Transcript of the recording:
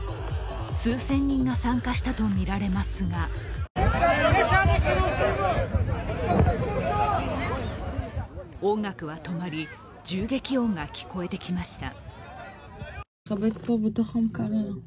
数千人が参加したとみられますが音楽は止まり、銃撃音が聞こえてきました。